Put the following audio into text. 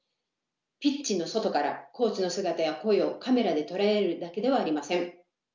ピッチの外からコーチの姿や声をカメラで捉えるだけではありません。